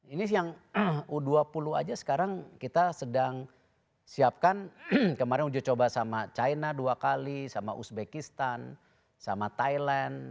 ini yang u dua puluh aja sekarang kita sedang siapkan kemarin uji coba sama china dua kali sama uzbekistan sama thailand